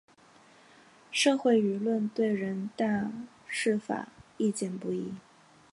社会舆论对人大释法意见不一。